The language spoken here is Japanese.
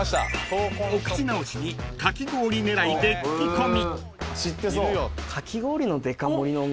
［お口直しにかき氷狙いで聞き込み］